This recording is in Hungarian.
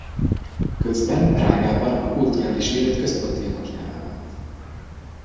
Közben Prágában a kulturális élet központi alakjává vált.